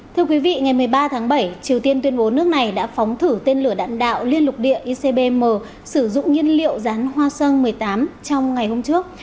thưa quý vị ngày một mươi ba tháng bảy triều tiên tuyên bố nước này đã phóng thử tên lửa đạn đạo liên lục địa icbm sử dụng nhiên liệu rán hoa sơn một mươi tám trong ngày hôm trước